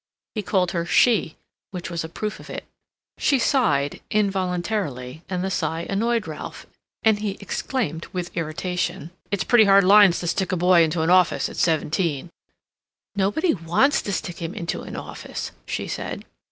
He called her "she," which was a proof of it. She sighed involuntarily, and the sigh annoyed Ralph, and he exclaimed with irritation: "It's pretty hard lines to stick a boy into an office at seventeen!" "Nobody wants to stick him into an office," she said.